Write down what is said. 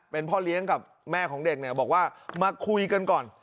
เป็นพ่อเลี้ยงกับแม่ของเด็กเนี่ยบอกว่ามาคุยกันก่อน